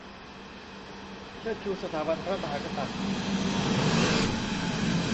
เชิดชูสถาบันพระมหากษัตริย์